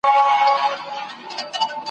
او د خپل ستوني په ناره کي مي الله ووینم !.